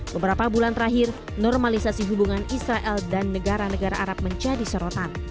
beberapa bulan terakhir normalisasi hubungan israel dan negara negara arab menjadi sorotan